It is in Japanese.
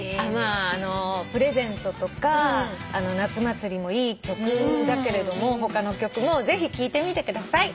『プレゼント』とか『夏祭り』もいい曲だけれども他の曲もぜひ聞いてみてください。